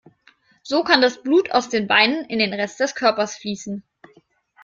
So kann das Blut aus den Beinen in den Rest des Körpers fließen.